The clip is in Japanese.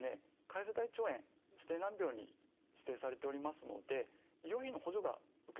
潰瘍性大腸炎指定難病に指定されておりますので医療費の補助が受けられます。